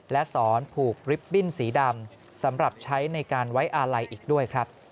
และสอนผูกลิฟต์บิ้นสีดำสำหรับใช้ในการไว้อาลัยอีกด้วยครับ